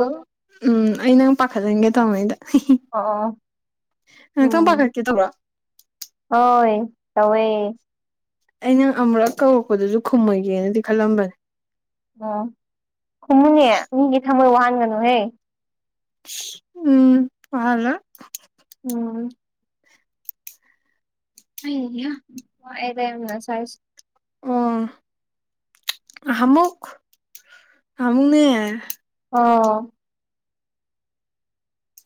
ꯑꯗꯣ ꯎꯝ ꯑꯩ ꯅꯪ ꯄꯥꯈꯠꯆꯍꯟꯒꯦ ꯇꯧꯃꯤꯗ꯫ ꯑꯣ ꯉꯥꯛꯇꯪ ꯎꯝ ꯄꯥꯈꯠꯀꯦ ꯇꯧꯕꯔꯣ꯫ ꯍꯣꯏ ꯇꯧꯌꯦ ꯑꯩ ꯅꯪ ꯑꯃꯨꯔꯛ ꯀꯧꯔꯛꯄꯗꯨꯁꯨ ꯈꯨꯝꯃꯣꯏꯒꯦꯅꯗꯤ ꯈꯜꯂꯝꯕꯅꯦ꯫ ꯑꯣ ꯈꯨꯨꯝꯃꯨꯅꯦ ꯃꯤꯒꯤ ꯊꯃꯣꯏ ꯋꯥꯍꯟꯒꯅꯨꯍꯦ꯫ ꯎꯝ ꯋꯥꯍꯜꯂꯣꯏ꯫ ꯎꯝ꯫ ꯍꯩꯍꯥ ꯋꯥꯢꯗ ꯉꯁꯥꯢꯁꯨ ꯑꯣ ꯅꯍꯥꯃꯨꯛ ꯅꯍꯥꯃꯨꯛꯅꯦ ꯑꯣ꯫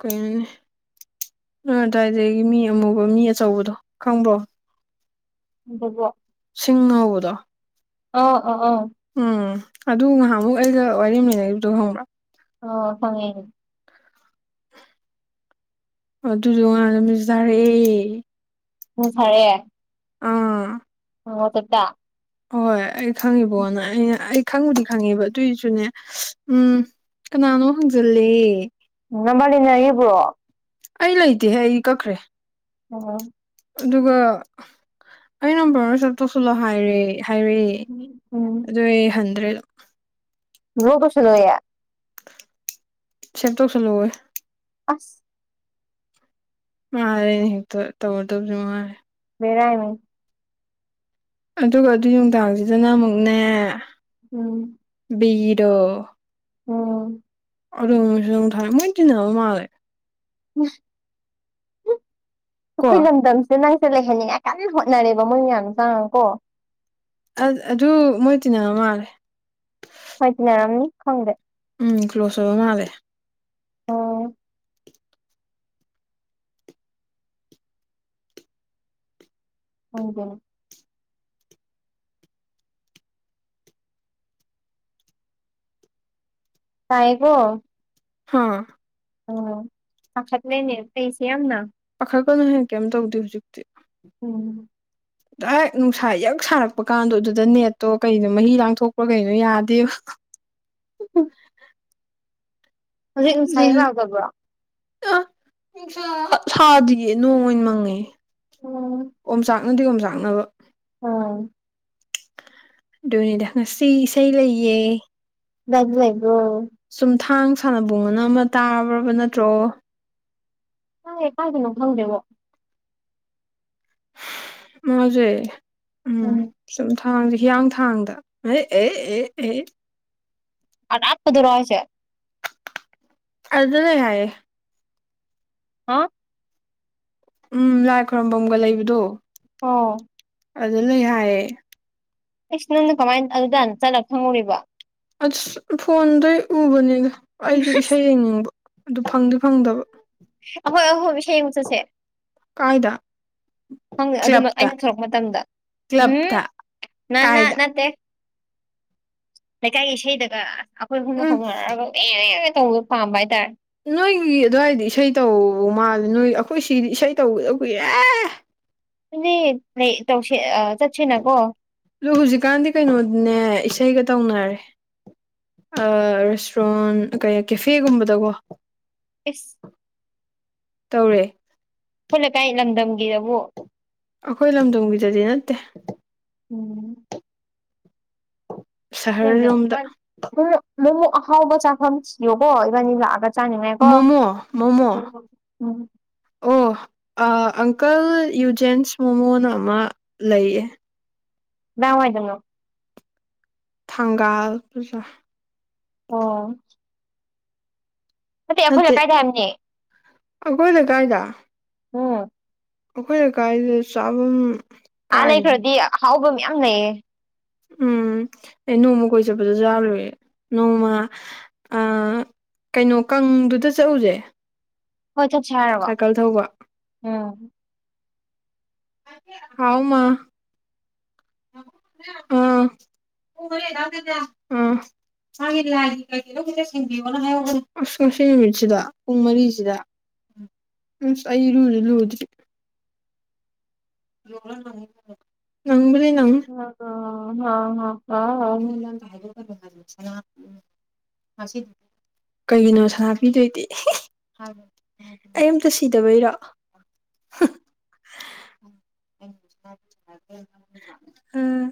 ꯀꯩꯅꯣꯅꯤ ꯅꯣꯏ ꯑꯗꯥꯏꯗꯒꯤ ꯃꯤ ꯑꯃꯨꯕ ꯃꯤ ꯑꯆꯧꯕꯗꯣ ꯈꯪꯕ꯭ꯔꯣ꯫ [unintelligible] ꯁꯤꯡꯅ ꯍꯧꯕꯗꯣ꯫ ꯑꯣ ꯑꯣ ꯑꯣ꯫ ꯎꯝ ꯑꯗꯨ ꯉꯥꯏꯍꯥꯛꯃꯨꯛ ꯑꯩꯒ ꯋꯥꯔꯤ ꯃꯦꯟꯅꯒꯤꯕꯗꯣ ꯈꯪꯕ꯭ꯔꯥ꯫ ꯑꯣ ꯈꯪꯉꯦ꯫ ꯑꯗꯨꯗꯣ ꯅꯍꯥꯟ ꯃꯦꯁꯦꯁ ꯊꯥꯔꯛꯑꯦ [unintelligible] ꯑꯥ ꯍꯣ ꯋꯥꯆꯞꯇ꯫ [inaudible] ꯍꯣꯏ ꯑꯩ ꯈꯪꯉꯤꯕꯣꯅ ꯑꯩꯅ ꯑꯩ ꯈꯪꯕꯨꯗꯤ ꯈꯪꯉꯦꯕ ꯑꯗꯨꯏꯁꯨꯅꯦ ꯎꯝ ꯀꯅꯥꯅꯣ ꯍꯪꯖꯤꯜꯂꯦ ꯅꯝꯕꯔ ꯂꯩꯅꯔꯤꯕ꯭ꯔꯣ? ꯑꯩ ꯂꯩꯇꯦꯍꯦ ꯑꯩ ꯀꯛꯈ꯭ꯔꯦ꯫ ꯑꯣ꯫ ꯑꯗꯨꯒ ꯑꯩ ꯅꯝꯕꯔ ꯁꯦꯞ ꯇꯧꯁꯤꯜꯂꯣ ꯍꯥꯏꯔꯦ ꯍꯥꯏꯔꯛꯑꯦ꯫ ꯎꯝ ꯑꯗꯨꯗꯩ ꯍꯟꯗ꯭ꯔꯦ ꯑꯗꯨꯝ꯫ ꯕ꯭ꯂꯣꯛ ꯇꯧꯁꯜꯂꯣꯌꯦ ꯁꯦꯞ ꯇꯧꯁꯜꯂꯣꯌꯦ꯫ ꯑꯁ! [unintelligible] ꯍꯦꯛ ꯇ ꯇꯧꯔꯗꯕꯖꯤ ꯉꯥꯏꯔꯦ꯫ ꯕꯦꯔꯥꯅꯤ꯫ ꯑꯗꯨꯒ ꯑꯗꯨ ꯅꯨꯡꯗꯥꯡꯖꯤꯗꯅ ꯑꯃꯨꯛꯅꯦ ꯎꯝ꯫ ꯕꯤꯗꯣ ꯎꯝ꯫ ꯑꯗꯨ ꯃꯁꯦꯁꯃꯨꯛ ꯊꯥꯔꯛꯌꯦ ꯃꯣꯏ ꯇꯤꯅꯕ ꯃꯥꯜꯂꯦ [unintelligible] ꯀꯣ ꯑꯩꯈꯣꯏ ꯂꯝꯗꯝ ꯑꯗꯣ ꯅꯪꯁꯦ ꯂꯩꯍꯟꯅꯤꯡꯉꯥꯏ ꯀꯟꯅ ꯍꯣꯠꯅꯔꯦꯕ ꯃꯣꯏ ꯃꯌꯥꯝ ꯆꯥꯡꯉ ꯀꯣ ꯑ ꯑꯗꯨ ꯃꯣꯏ ꯇꯤꯟꯅꯕ ꯃꯥꯜꯂꯦ꯫ ꯍꯣꯏ ꯇꯤꯅꯔꯝꯅꯤ ꯈꯪꯗꯦ꯫ ꯎꯝ ꯀ꯭ꯂꯣꯁ ꯑꯣꯏꯕ ꯃꯥꯜꯂꯦ꯫ ꯑꯣ꯫ [unintelligible] ꯇꯥꯏꯌꯦꯀꯣ ꯍꯥꯥ ꯑꯥ ꯄꯥꯈꯠꯂꯦꯅꯦ ꯑꯩꯁꯦ ꯌꯥꯝꯅ ꯄꯥꯈꯠꯀꯅꯨ ꯍꯦ ꯀꯩꯝ ꯇꯧꯗꯦ ꯍꯧꯖꯤꯛꯇꯤ꯫ ꯎꯝ꯫ [inaudible] ꯥꯗꯥꯏꯔꯦꯛ ꯅꯨꯡꯁꯥ ꯌꯛ ꯁꯥꯔꯛꯄ ꯀꯥꯟꯗꯣ ꯑꯗꯨꯗ ꯅꯦꯠꯇꯣ ꯀꯩꯅꯣ ꯃꯍꯤ ꯂꯥꯡꯊꯣꯛꯄ꯭ꯔꯥ ꯀꯩꯅꯣ ꯌꯥꯗꯦꯕ꯫ [unintelligible] ꯍꯧꯖꯤꯛ ꯅꯨꯡꯁꯥ ꯌꯛ ꯂꯥꯎꯗꯕ꯭ꯔꯣ? ꯑ ꯅꯨꯡꯁꯥ ꯁꯥꯗꯤꯌꯦ ꯅꯣꯡ ꯑꯣꯏꯅ ꯃꯪꯉꯦ꯫ [unintelligible] ꯑꯣꯝꯆꯥꯛꯅꯗꯤ ꯑꯣꯝꯆꯥꯛꯅꯕ ꯑ ꯑꯗꯨꯅꯤꯗ ꯉꯁꯤ ꯏꯁꯩ ꯂꯩꯌꯦ꯫ [unintelligible] ꯂꯩꯕ꯭ꯔꯣ ꯆꯨꯝꯊꯥꯡ ꯁꯥꯟꯅꯕꯨꯡꯑꯅ ꯑꯃ ꯇꯥꯕ꯭ꯔꯕ ꯅꯠꯇ꯭ꯔꯣ? ꯇꯥꯏꯌꯦ ꯀꯥꯏꯗꯅꯣ ꯈꯪꯗꯦꯕꯣ꯫ ꯃꯖꯦ ꯎꯨꯝ ꯎꯝ ꯆꯨꯝꯊꯥꯡꯖꯦ ꯍꯤꯌꯥꯡꯊꯥꯡꯗ ꯑꯦ ꯑꯦ ꯑꯦ ꯑꯦ ꯑꯔꯥꯞꯄꯗꯨꯔꯣ ꯍꯥꯏꯁꯦ? ꯑꯗꯨꯗ ꯂꯩ ꯍꯥꯏꯌꯦ꯫ ꯍꯥ ꯎꯨꯝ ꯂꯥꯏ ꯈꯣꯏꯔꯨꯝꯕꯝꯒ ꯂꯩꯕꯗꯣ ꯑꯣ ꯑꯗꯨ ꯂꯩ ꯍꯥꯏꯌꯦ ꯑꯩꯁ ꯅꯪꯅ ꯀꯃꯥꯏꯅ ꯑꯗꯨꯗꯅ ꯆꯠꯂꯒ ꯈꯪꯉꯨꯔꯤꯕ? ꯑꯁ ꯐꯣꯟꯗꯩ ꯎꯕꯅꯤꯗ ꯑꯩꯖꯨ ꯑꯁ ꯏꯁꯩ ꯌꯦꯡꯅꯤꯡꯕ ꯑꯗꯨ ꯐꯪꯗꯤ ꯐꯪꯗꯕ꯫ ꯑꯈꯣꯏ ꯑꯍꯨꯝ ꯏꯁꯩ ꯌꯦꯡꯕ ꯆꯠꯁꯦ꯫ ꯀꯥꯏꯗ? ꯈꯪꯗꯦ ꯑꯗꯨꯝ ꯀ꯭ꯂꯕꯇ ꯑꯩꯅ ꯊꯣꯛꯂꯛꯄ ꯃꯇꯝꯗ ꯎꯝ ꯀ꯭ꯂꯕꯇ ꯅꯅꯥ ꯀꯥꯏꯗ ꯅꯠꯇꯦ ꯂꯩꯀꯥꯏꯒꯤ ꯏꯁꯩꯗꯒ ꯑꯩꯈꯣꯏ ꯑꯍꯨꯝꯅ ꯎꯝ ꯍꯣꯡꯅꯔꯛꯑꯒ ꯂꯦꯂꯦ ꯇꯧꯕꯗꯨ ꯄꯥꯝꯕ ꯍꯥꯏꯇꯥꯔꯦ ꯅꯣꯏꯒꯤ ꯑꯗꯨꯋꯥꯏꯗꯤ ꯏꯁꯩ ꯇꯧꯕ ꯃꯥꯜꯂꯦ ꯅꯣꯏ ꯑꯩꯈꯣꯏ ꯁꯤꯒꯤꯗꯤ ꯏꯁꯩ ꯇꯧꯒꯤꯗꯕ ꯀꯨꯏꯔꯦ ꯑꯗꯨꯗꯤ ꯇꯧꯁ ꯑꯥ ꯆꯠꯁꯤꯅꯀꯣ ꯑꯗꯨ ꯍꯧꯖꯤꯛꯀꯥꯟꯗꯤ ꯀꯩꯅꯣꯗꯅꯦ ꯏꯁꯩꯒ ꯇꯧꯅꯔꯦ ꯑ ꯔꯦꯁꯇꯨꯔꯦꯟ ꯀꯩ ꯀꯦꯐꯦꯒꯨꯝꯕꯗꯀꯣ ꯑꯦꯁ ꯇꯧꯔꯦ ꯑꯩꯈꯣꯏ ꯂꯩꯀꯥꯏ ꯂꯝꯗꯝꯒꯤꯗꯕꯨ ꯑꯩꯈꯣꯏ ꯂꯝꯗꯝꯒꯤꯗꯗꯤ ꯅꯠꯇꯦ꯫ ꯎꯨꯝ ꯁꯍꯔꯔꯣꯝꯗ [unintelligible] ꯑꯍꯥꯎꯕ ꯆꯥꯐꯝ ꯊꯤꯌꯣꯀꯣ ꯏꯕꯥꯅꯤ ꯂꯥꯛꯑꯒ ꯆꯥꯅꯤꯡꯉꯥꯏꯀꯣ ꯃꯣꯃꯣ ꯃꯣꯃꯣ ꯎꯨꯝ ꯑꯣ ꯑꯪꯀꯜ ꯌꯨ ꯖꯦꯟꯁ ꯃꯣꯃꯣꯅ ꯑꯃ ꯂꯩꯌꯦ꯫ ꯀꯗꯥꯏꯋꯥꯏꯗꯅꯣ? ꯊꯪꯒꯥꯜ ꯕꯖꯥꯔ ꯑꯣ ꯅꯠꯇꯦ ꯑꯩꯈꯣꯏ ꯂꯩꯀꯥꯏꯗ ꯍꯥꯏꯕꯅꯦ [unintelligible] ꯀꯥꯏꯗ ꯍꯣꯏ ꯑꯩꯈꯣꯏ ꯂꯩꯀꯥꯏꯗ ꯆꯥꯐꯝ ꯑꯥ ꯂꯩꯩ ꯀꯥꯏꯅ ꯈꯔꯗꯤ ꯑꯍꯥꯎꯕꯌꯥꯝ ꯂꯩꯌꯦ ꯎꯝ ꯑꯩ ꯅꯣꯡꯃ ꯀꯣꯏ ꯆꯠꯄꯗꯁꯨ ꯌꯥꯂꯨ ꯅꯣꯡꯃ ꯀꯩꯅꯣ ꯀꯥꯡꯗꯨꯗ ꯆꯠꯎꯁꯦ ꯍꯣꯏ ꯆꯠ ꯁꯥꯔꯕ ꯎꯝ ꯑꯥꯎꯃꯥ ꯑꯥ ꯑꯥ [unintelligible] ꯃꯥꯒꯤ ꯂꯥꯏꯒꯤ ꯀꯩꯀꯩꯅꯣ ꯈꯤꯠꯇ ꯁꯦꯡꯕꯤꯌꯣ ꯍꯥꯏꯍꯧꯕꯅꯤ ꯑꯁ ꯉꯁꯤ ꯅꯨꯃꯤꯠꯁꯤꯗ ꯄꯨꯡ ꯃꯔꯤꯁꯤꯗ ꯑꯁ ꯑꯩ ꯂꯨꯗꯦ ꯂꯨꯗ꯭ꯔꯤ ꯅꯪꯕꯨꯗꯤ ꯅꯪꯅꯤ [unintelligible] [unintelligible] [inaudible] [unintelligible] ꯀꯩꯒꯤꯅꯣ ꯁꯅꯥ ꯄꯤꯗꯣꯏꯗꯤ ꯑꯩ ꯑꯃꯝꯇ ꯁꯤꯗꯕꯩꯔꯣ ꯎꯝ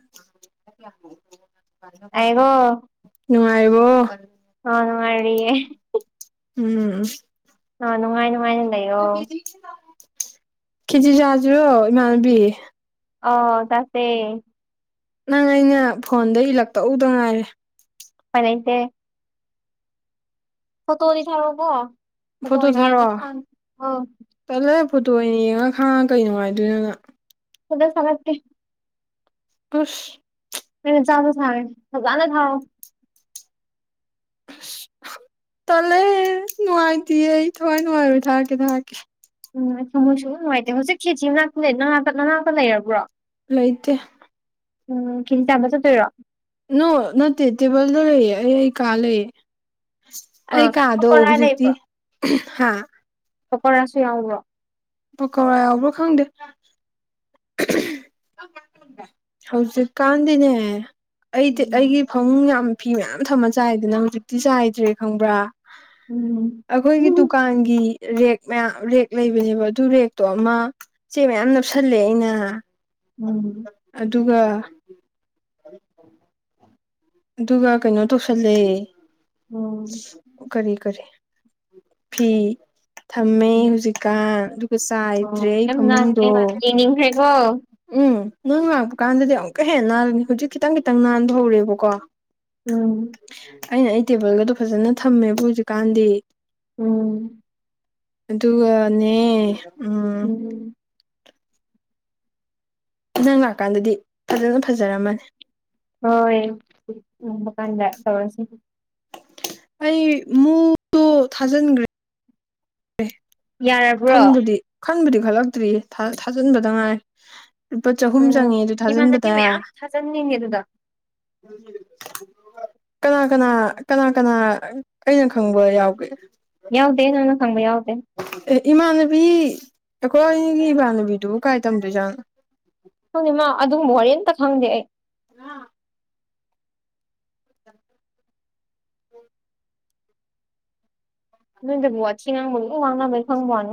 ꯑꯩꯒꯣ ꯅꯨꯉꯔꯤꯕꯣ [unintelligible] ꯎꯝ ꯑ ꯅꯨꯡꯉꯥꯏ ꯅꯨꯡꯉꯥꯏ ꯀꯦꯖꯤ ꯆꯥꯁꯤꯔꯣ ꯏꯃꯥꯟꯅꯕꯤ ꯑꯣ ꯆꯥꯁꯦ ꯅꯪ ꯑꯩꯅ ꯐꯣꯟꯗ ꯏꯜꯂꯛꯇꯎꯗ ꯉꯥꯏꯔꯦ [unintelligible] ꯐꫭꯇꯣꯔꯤ [unintelligible] ꯐꯣꯇꯣ ꯊꯥꯔꯛꯑꯣ ꯆꯠꯂ ꯐꯣꯇꯣ ꯑꯣꯏꯅ ꯌꯦꯡꯉ ꯈꯥꯡꯉ ꯀꯩ ꯅꯨꯡꯉꯥꯏꯗꯣꯏꯅꯣꯅ [unintelligible] ꯁꯒꯠꯦ ꯈꯁ [unintelligible] ꯇꯜꯂꯦ ꯅꯨꯡꯉꯥꯏꯇꯌꯦ ꯑꯩ ꯊꯋꯥꯏ ꯅꯨꯡꯉꯥꯏꯔꯣꯏ ꯊꯥꯔꯛꯀꯦ ꯊꯥꯔꯛꯀꯦ ꯎꯝ ꯑꯩ ꯊꯃꯣꯏ ꯁꯨꯛꯅꯨꯡ ꯅꯨꯡꯉꯥꯏꯇꯦ ꯍꯧꯖꯤꯛ ꯈꯦꯆꯤ ꯃꯅꯥꯛꯇ ꯅꯅꯥꯥꯛꯇ ꯅꯅꯥꯛꯇ ꯂꯩꯔꯕ꯭ꯔꯣ ꯂꯩꯇꯦ ꯎꯝ ꯈꯦꯆꯤ ꯆꯥꯕ ꯆꯠꯇꯣꯏꯔꯣ ꯅꯣ ꯅꯠꯇꯦ ꯇꯦꯕꯜꯗ ꯂꯩꯌꯦ ꯑꯩ ꯑꯩ ꯀꯥ ꯂꯩꯌꯦ ꯑꯁ ꯑꯩ ꯑꯥ ꯀꯥꯗꯣ ꯄꯀꯣꯔꯥ ꯍꯧꯖꯤꯛꯇꯤ ꯍꯥ ꯄꯀꯧꯔꯁꯨ ꯌꯥꯎꯕ꯭ꯔꯣ ꯄꯀꯧꯔ ꯌꯧꯕꯔꯣ ꯈꯪꯗꯦ ꯍꯧꯖꯤꯛꯀꯥꯟꯗꯤꯅꯦ ꯑꯩꯗꯤ ꯎꯝ ꯑꯩꯒꯤ ꯐꯃꯨꯡ ꯌꯥꯝ ꯐꯤ ꯃꯌꯥꯝ ꯊꯝꯃ ꯆꯥꯏꯗꯅ ꯍꯧꯖꯤꯛꯇꯤ ꯆꯥꯏꯗ꯭ꯔꯦ ꯈꯪꯕ꯭ꯔꯥ ꯎꯝ ꯑꯩꯈꯣꯏꯒꯤ ꯗꯨꯀꯥꯟꯒꯤ ꯔꯦꯛ ꯃꯌꯥꯝ ꯔꯦꯛ ꯂꯩꯕꯅꯦꯕ ꯑꯗꯨ ꯔꯦꯛꯇꯣ ꯑꯃ ꯆꯦ ꯃꯌꯥꯝ ꯅꯞꯁꯜꯂꯦ ꯑꯩꯅ ꯎꯝ ꯑꯗꯨꯒ ꯑꯗꯨꯒ ꯀꯩꯅꯣ ꯇꯧꯁꯜꯂꯦ ꯎꯝ ꯀꯔꯤ ꯀꯔꯤ ꯐꯤ ꯊꯝꯃꯦ ꯍꯧꯖꯤꯛꯀꯥꯟ ꯑꯣ ꯈꯨꯁꯥꯏꯗ꯭ꯔꯦ ꯑꯩ ꯌꯥꯝ ꯅꯥꯟꯈ꯭ꯔꯦ ꯐꯃꯨꯡꯗꯣ ꯃꯥ ꯌꯦꯡꯅꯤꯡꯈ꯭ꯔꯦꯀꯣ ꯎꯝ ꯅꯪ ꯂꯥꯛꯄ ꯀꯥꯟꯗꯗꯤ ꯑꯃꯨꯛꯀ ꯍꯦꯟꯅ ꯅꯥꯜꯂꯅꯤ ꯍꯧꯖꯤꯛ ꯈꯤꯇꯪ ꯈꯤꯇꯪ ꯅꯥꯟꯕ ꯍꯧꯔꯦꯕꯀꯣ ꯎꯝ ꯑꯩꯅ ꯑꯩ ꯇꯦꯕꯜꯒꯗꯣ ꯐꯖꯅ ꯊꯝꯃꯦꯕ ꯍꯧꯖꯤꯛꯀꯥꯟꯗꯤ ꯎꯝ ꯑꯗꯨꯒꯅꯦ ꯎꯝ ꯅꯪ ꯂꯥꯛꯀꯥꯟꯗꯗꯤ ꯐꯖꯅ ꯐꯖꯔꯝꯃꯅꯤ ꯍꯣꯏ ꯎꯕꯥ ꯀꯥꯟꯗ ꯇꯧꯔꯁꯤ ꯑꯩ ꯃꯨꯗꯣ ꯊꯥꯖꯤꯟꯈ꯭ꯔꯦ ꯑꯦ ꯌꯥꯔꯕ꯭ꯔꯣ ꯈꯟꯕꯨꯗꯤ ꯈꯟꯕꯨꯗꯤ ꯈꯜꯂꯛꯇ꯭ꯔꯤ ꯊꯥ ꯊꯥꯖꯤꯟꯕꯗ ꯉꯥꯏꯔꯤ ꯂꯨꯄꯥ ꯆꯍꯨꯝ ꯎꯝ ꯆꯪꯉꯦ ꯑꯗꯨ ꯏꯃꯥꯟꯅꯕꯤ ꯊꯥꯖꯤꯟꯕꯗ ꯃꯌꯥꯝ ꯊꯥꯖꯟꯅꯤꯡꯉꯦ ꯑꯗꯨꯗ ꯀꯅꯥ ꯀꯅꯥ ꯀꯅꯥ ꯀꯅꯥ ꯑꯩꯅ ꯈꯪꯕ ꯌꯥꯎꯒꯦ ꯌꯥꯎꯗꯦ ꯅꯪꯅ ꯈꯪꯕ ꯌꯥꯎꯗꯦ ꯑꯦ ꯏꯃꯥꯟꯅꯕꯤ ꯑꯩꯈꯣꯏꯒꯤ ꯏꯃꯥꯟꯅꯕꯤꯗꯨꯕꯨ ꯀꯥꯏ ꯇꯝꯗꯣꯏꯖꯥꯠꯅꯣ ꯈꯪꯗꯦ ꯃꯥ ꯑꯗꯨꯒꯨꯝꯕ ꯋꯥꯔꯤ ꯑꯝꯇ ꯈꯪꯗꯦ ꯑꯩ ꯅ [inaudible] ꯅꯣꯏꯗꯕꯨ ꯋꯥꯊꯤ ꯉꯥꯡꯕꯩ [unintelligible]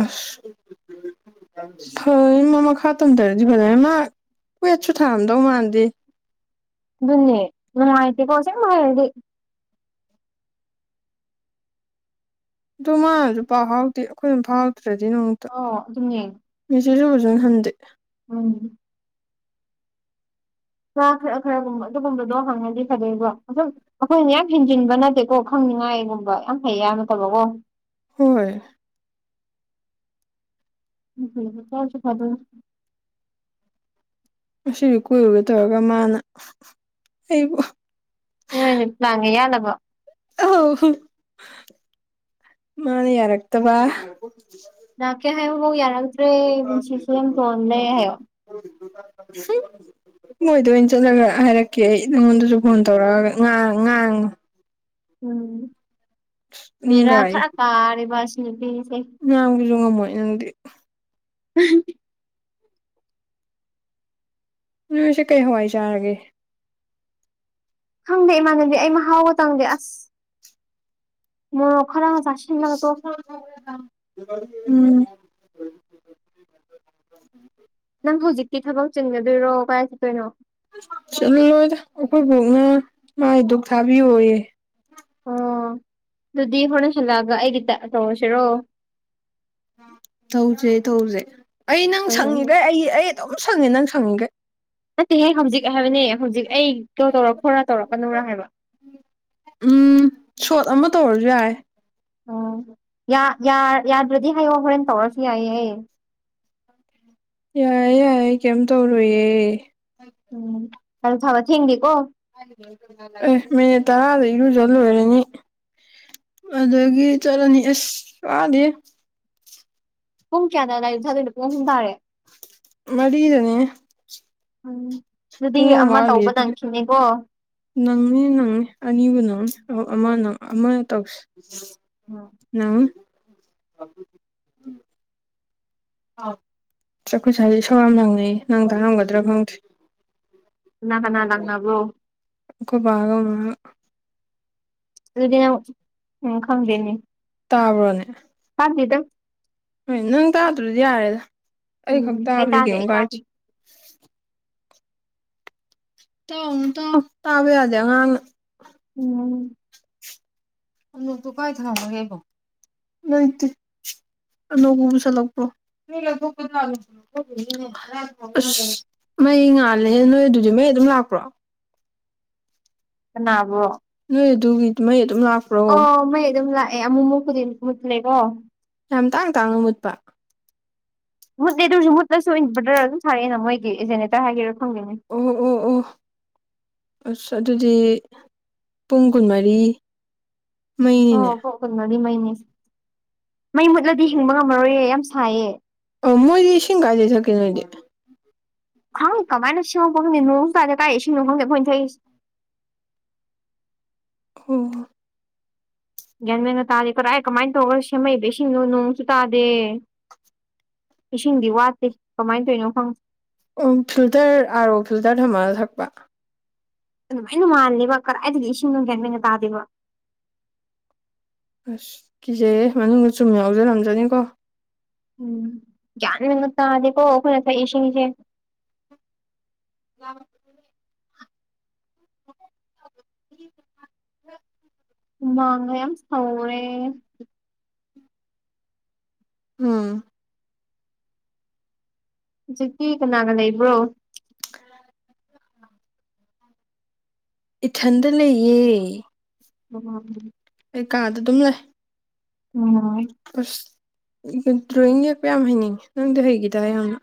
ꯑꯁ ꯍꯣꯏ ꯃꯥ ꯃꯈꯥ ꯇꯝꯊꯔꯗꯤ ꯐꯗꯧꯅꯦ ꯃꯥ ꯀ꯭ꯋꯦꯠꯁꯨ ꯊꯥꯔꯝꯗꯧ ꯃꯥꯟꯗꯦꯅꯦ ꯗꯨꯅ‌ꯦ ꯅꯨꯡꯉꯥꯢꯇ‌ꯦꯀ‌ꯣ ꯑꯁ‌ꯦꯡꯕ ꯍꯥꯢꯔꯗꯤ꯫ ꯑꯗꯨ ꯃꯥꯅꯁꯨ ꯄꯥꯎ ꯐꯥꯎꯔꯛꯇꯦ ꯑꯩꯈꯣꯏꯅ ꯗꯨꯝ ꯐꯥꯎꯗ꯭ꯔꯗꯤ ꯗꯨꯝ ꯑꯣ ꯑꯗꯨꯅꯦ ꯃ‌ꯦꯁ‌ꯦꯁ ꯁꯨ ꯐꯖꯅ ꯍꯟꯗꯦ ꯎꯝ ꯃꯥ ꯈꯔ ꯈꯔꯒꯨꯝꯕ ꯑꯗꯨꯒꯨꯝꯕꯗꯣ ꯍꯪꯉꯗꯤ ꯐꯗꯣꯏꯕ ꯑꯗꯨꯝ ꯑꯩꯈꯣꯏꯅ ꯌꯥꯝ ꯍꯦꯟꯖꯤꯟꯕ ꯅꯠꯇꯦꯀꯣ ꯈꯪꯅꯤꯡꯉꯥꯏꯒꯨꯝꯕ ꯌꯥꯝ ꯐꯩ ꯍꯥꯏꯕ ꯅꯠꯇꯕꯀꯣ ꯍꯣꯏ ꯎꯝ [unintelligible] ꯉꯥꯁꯤꯁꯨ ꯀꯣꯏꯔꯨꯒꯦ ꯇꯧꯔꯒ ꯃꯥꯅ ꯑꯩꯕꯨ ꯅꯣꯏꯅꯤ ꯄ꯭ꯂꯥꯟꯒ ꯌꯥꯠꯂꯕꯣ ꯑꯧ ꯃꯥꯅ ꯌꯥꯔꯛꯇꯕ ꯂꯛꯀꯦ ꯍꯥꯏꯕꯐꯧ ꯌꯥꯔꯛꯇ꯭ꯔꯦ ꯄꯨꯟꯁꯤꯁ‌ꯦ ꯌꯥꯝ ꯇꯣꯟꯂꯦ ꯍꯥꯏꯌꯣ ꯍꯨꯝ ꯃꯣꯏꯗ ꯑꯣꯏꯅ ꯆꯠꯂꯒ ꯍꯥꯏꯔꯛꯀꯦ ꯑꯩ ꯅꯉꯣꯟꯗꯁꯨ ꯐꯣꯟ ꯇꯧꯔꯛꯑꯒ ꯉꯥꯡ- ꯉꯥꯡꯉꯣ ꯎꯝ ꯎꯝ ꯕ‌ꯦꯔꯥ ꯈꯔꯥ ꯀꯥꯔ‌ꯦꯕ ꯑꯁꯤ ꯅꯨꯄꯤꯁꯦ ꯉꯥꯡꯕꯖꯨ ꯉꯝꯃꯣꯏ ꯅꯪꯗꯤ [inaudible] ꯅꯣꯏ ꯉꯁꯤ ꯀꯩ ꯍꯋꯥꯏ ꯆꯥꯔꯒꯦ꯫ ꯈꯪꯗꯦ ꯏꯃꯥꯟꯅꯕꯤ ꯑꯩ ꯃꯍꯥꯎꯒ ꯇꯪꯗꯦ ꯑꯁ ꯃꯣꯔ‌ꯣꯛ ꯈꯔꯒ ꯆꯥ ꯎꯝ ꯅꯪ ꯍꯧꯖꯤꯛꯇꯤ ꯊꯕꯛ ꯆꯤꯟꯒꯗꯣꯏꯔꯣ ꯀꯥꯏ ꯆꯠꯇ‌ꯣꯏꯅ‌ꯣ ꯆꯠꯂꯣꯏꯗ ꯑꯩꯈꯣꯏ ꯕ‌ꯣꯛꯅ ꯃꯥꯏ ꯗꯨꯛ ꯊꯥꯕꯤꯌꯣꯌꯦ ꯑꯣ ꯑꯗꯨꯗꯤ ꯍꯣꯏꯔꯦꯟ ꯍꯜꯂꯛꯑꯒ ꯑꯩꯒꯤꯗ ꯇꯧꯔꯁꯤꯔꯣ ꯇꯧꯁꯦ ꯇꯧꯁꯦ ꯑꯩ ꯅꯪ ꯍꯣꯏ ꯍꯣꯏ ꯍꯣꯏ ꯁꯪꯉꯤꯈꯩ ꯑꯩ ꯑꯩ ꯑꯗꯨꯝ ꯁꯪꯉꯦ ꯅꯪ ꯁꯪꯉꯤꯈꯩ ꯅꯠꯇꯦꯍꯦ ꯍꯧꯖꯤꯛ ꯍꯥꯏꯕꯅꯦ ꯍꯧꯖꯤꯛ ꯑꯩ ꯀꯣꯜ ꯇꯧꯔꯛꯈꯣꯔꯥ ꯇꯧꯔꯛꯀꯅꯨꯔꯥ ꯍꯥꯏꯕ ꯎꯝ ꯁꯣꯠ ꯑꯃ ꯇꯧꯔꯁꯨ ꯌꯥꯏ ꯑꯣ ꯌꯥ ꯌꯥ ꯌꯥꯗ꯭ꯔꯗꯤ ꯍꯥꯏꯌꯣ ꯍꯣꯏꯔꯦꯟ ꯇꯧꯔꯁꯨ ꯌꯥꯏꯌꯦ ꯑꯩ ꯌꯥꯏꯌ‌ꯦ ꯌꯥꯏꯌ‌ꯦ ꯀꯩꯝ ꯇꯧꯔ‌ꯣꯏꯌ‌ꯦ ꯎꯝ [unintelligible] ꯊꯤꯡꯗꯦꯀꯣ ꯑꯦ ꯃꯤꯅꯤꯠ ꯇꯔꯥꯗ ꯏꯔꯨꯖ ꯂꯣꯏꯔꯅꯤ꯫ ꯑꯗꯒꯤ ꯆꯠꯂꯅꯤ ꯑꯁ ꯋꯥꯔꯤꯌꯦ ꯄꯨꯡ ꯀꯌꯥꯗ ꯂꯥꯏ ꯗꯨꯛ ꯊꯥꯗꯣꯏꯅꯣ ꯄꯨꯡ ꯑꯍꯨꯝ ꯇꯥꯔꯦ ꯃꯔꯤꯗꯅꯤꯅꯦ ꯎꯝ ꯗꯨꯗꯤ ꯑꯃ ꯋꯥꯠꯂꯤ ꯇꯧꯕ ꯑꯗꯨꯗꯤ ꯅꯪꯈꯤꯅꯤꯀꯣ ꯅꯪꯅꯤ ꯅꯪꯅꯤ ꯑꯅꯤꯕꯨ ꯅꯪꯅꯤ ꯑꯃ ꯅꯪ ꯑꯃ ꯇꯧꯁ ꯎꯝ [unintelligible] ꯑꯥꯎ ꯑꯩꯈꯣꯢ ꯁꯨꯋꯥꯢꯁꯦ ꯢꯁꯧ ꯌꯥꯝ ꯅꯪ ꯇꯥꯔꯝꯒꯗ꯭ꯔꯥ ꯈꯪꯗꯦ ꯀꯅꯥ ꯀꯅꯥ ꯂꯪꯅꯕ꯭ꯔꯣ ꯑꯩꯈ‌ꯣꯏꯕꯥꯒ ꯃꯥꯃꯥꯒ ꯑꯗꯨꯗꯤ ꯅꯪ ꯎꯝ ꯈꯪꯗꯦꯅꯦ ꯇꯥꯕ꯭ꯔꯣꯅꯦ ꯄꯥꯝꯗ‌ꯦꯗ ꯍꯣꯏ ꯅꯪ ꯇꯥꯗ꯭ꯔꯗꯤ ꯌꯥꯔꯦꯗ ꯑꯩꯈꯛ ꯎꯝ ꯑꯩ ꯇꯥꯕꯗꯤ ꯇꯥꯗꯦ ꯀꯩꯝ ꯑꯩ ꯇꯥꯗꯦ ꯀꯥꯏꯗ‌ꯦ ꯇꯥꯎꯅꯨ ꯇꯥꯎꯅꯨ ꯇꯥꯕ ꯌꯥꯗꯦ ꯑꯉꯥꯡꯅ ꯎꯝ ꯑꯅꯣꯛꯇꯣ ꯀꯥꯏ ꯊꯅꯝꯃꯒꯦ ꯑꯩꯕꯣ ꯂꯩꯇꯦ ꯑꯅꯣꯛꯄꯨ ꯄꯨꯁꯜꯂꯛꯄ꯭ꯔꯣ ꯂꯩ [unintelligible] [unintelligible] [unintelligible] ꯃꯩ ꯉꯥꯜꯂꯦ ꯅꯣꯏ ꯑꯗꯨꯗꯤ ꯃꯩ ꯑꯗꯨꯝ ꯂꯥꯛꯄ꯭ꯔꯣ ꯀꯅꯥꯕꯣ ꯅꯣꯏ ꯑꯗꯨꯒꯤ ꯃꯩ ꯑꯗꯨꯝ ꯂꯥꯛꯄ꯭ꯔꯣ ꯑꯣ ꯃꯩ ꯑꯗꯨꯝ ꯂꯥꯛꯑꯦ ꯑꯃꯨꯃꯨꯛ [unintelligible] ꯂꯩꯀꯣ ꯌꯥꯝ ꯇꯥꯡ ꯇꯥꯡꯅ ꯃꯨꯠꯄ ꯃꯨꯠꯦ ꯑꯗꯨ ꯑꯣꯏꯁꯨꯨꯠꯁꯨ ꯑꯣꯏ ꯕꯗꯔ ꯑꯗꯨꯝ ꯁꯥꯔꯛꯑꯦꯅ ꯃꯣꯏꯒꯤ ꯖꯦꯅꯦꯇꯥꯔ ꯍꯥꯏꯒꯦꯔꯥ ꯈꯪꯗꯦꯅꯦ ꯑꯣ ꯑꯣ ꯑꯣ ꯑꯁ ꯑꯗꯨꯗꯤ ꯄꯨꯡ ꯀꯨꯟꯃꯔꯤ ꯃꯩꯅꯤꯅꯦ ꯈꯨꯨꯜꯂꯗꯤ ꯃꯩꯅꯦ ꯑꯁꯦ ꯃꯩ ꯃꯨꯠꯂꯗꯤ ꯍꯤꯡꯕ ꯉꯝꯃꯔꯣꯏꯌꯦ ꯌꯥꯝ ꯁꯥꯏꯌꯦ ꯑꯧ ꯃꯣꯏꯗꯤ ꯏꯁꯤꯡ ꯀꯥꯏꯗꯩ ꯊꯛꯀꯦ ꯅꯣꯏꯗꯤ ꯈꯪ ꯀꯃꯥꯏꯅ ꯁꯦꯝꯃꯛꯄ ꯈꯪꯗꯦ ꯅꯣꯡꯁꯨ ꯇꯥꯗꯦ ꯀꯥꯏꯗꯩ ꯏꯁꯤꯡꯅꯣ ꯈꯪꯗꯦ ꯈꯣꯏꯅ ꯊꯛꯏꯁꯤ ꯑꯣ ꯒ꯭ꯌꯥꯟ ꯃꯦꯟꯟꯅ ꯇꯥꯗꯦ ꯀꯔꯣ ꯑꯩꯥꯏ ꯀꯃꯥꯏꯅ ꯇꯧꯔꯒ ꯁꯦꯝꯃꯛꯩꯏꯕꯦ ꯏꯁꯤꯡꯗꯣ ꯅꯣꯡꯁꯨ ꯇꯥꯗꯦ ꯏꯁꯤꯡꯗꯤ ꯋꯥꯠꯇꯦ ꯀꯃꯥꯏꯅ ꯇꯧꯏꯅꯣ ꯈꯪ ꯎꯝ ꯐꯤꯜꯇꯔ ꯑꯥꯔ ꯑꯣ ꯐꯤꯜꯇꯔ ꯊꯝꯃꯒ ꯊꯛꯄ ꯑꯗꯨꯃꯥꯏꯅ ꯃꯥꯂꯦꯜꯕ ꯀꯗꯥꯥꯏꯗꯒꯤ ꯏꯁꯤꯡꯅꯣ ꯒ꯭ꯌꯥꯟ ꯃꯦꯟꯒ ꯇꯥꯗꯦꯕ ꯑꯁ ꯀꯤꯖꯩꯌꯦ ꯃꯅꯨꯡꯗ ꯆꯨꯝ ꯌꯥꯎꯖꯔꯝꯖꯅꯤꯀꯣ ꯎꯝ ꯒ꯭ꯌꯥꯟ ꯃꯦꯟꯒ ꯇꯥꯗꯀꯣ ꯑꯩꯈꯣꯏꯅ ꯊꯛꯏ ꯏꯁꯤꯡꯁꯦ [unintelligible] ꯍꯨꯃꯥꯡ ꯃꯌꯥꯝ ꯁꯧꯔꯦ ꯎꯝ ꯍꯧꯖꯤꯛꯇꯤ ꯀꯅꯥꯒ ꯂꯩꯕ꯭ꯔꯣ [unintelligible] ꯏꯊꯟꯗ ꯂꯩꯌꯦ [unintelligible] ꯑꯩ ꯀꯥꯗ ꯗꯨꯝ ꯂꯩ ꯎꯝ ꯑꯁ ꯗ꯭ꯔꯣꯋꯤꯡ ꯌꯦꯛꯄ ꯌꯥꯝ ꯍꯩꯅꯤꯡꯉꯦ ꯅꯪꯗꯤ ꯍꯩꯒꯤꯗꯥꯢ ꯌꯥꯝꯅ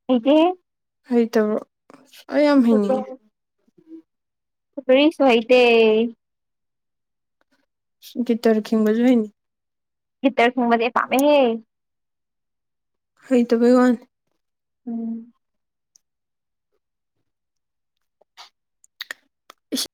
[unintelligible] ꯍꯩꯇꯕ꯭ꯔꯣ ꯑꯁ ꯑꯩ ꯌꯥꯝ ꯍꯩꯅꯤꯡꯉꯦ ꯁꯔꯤꯁ [unintelligible] ꯋꯥꯍꯤꯇꯦ ꯒꯤꯇꯔ ꯈꯤꯡꯕꯖꯨ ꯍꯩꯅꯤꯡꯉꯤ ꯒꯤꯇꯥꯔ ꯈꯤꯡꯕꯗꯤ ꯄꯥꯝꯃꯦꯍꯦ ꯍꯩꯇꯕꯩ ꯋꯥꯅꯦ ꯎꯝ